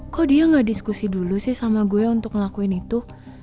kok dia gak diskusi dulu sih sama gue untuk ngelakuin itu